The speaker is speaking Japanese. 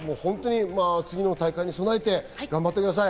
次の大会に備えて頑張ってください。